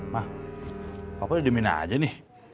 ma papa udah diemin aja nih